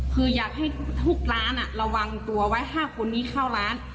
คืออยากให้ทุกร้านระวังตัวไว้๕คนนี้เข้าร้าน